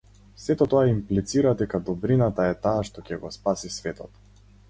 Сето тоа имплицира дека добрината е таа што ќе го спаси светот.